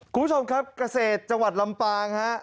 คุณผู้ชมครับกระเศษจังหวัดลำปางครับ